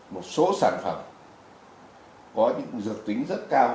một số sản phẩm có những dược tính rất cao